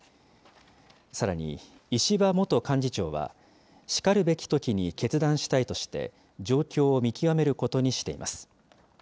さらに、石破元幹事長は、しかるべきときに決断したいとして、状況を見極めることにしています。